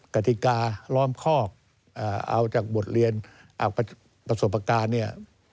กติกาล้อมคอกเอาจากบทเรียนประสบการณ์เนี่ย